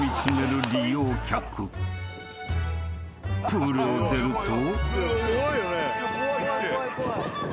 ［プールを出ると］